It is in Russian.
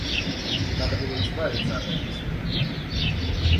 Надо было избавиться от этой силы.